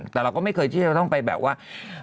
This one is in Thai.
แต่เราก็ไม่เคยที่จะต้องไปแบบว่า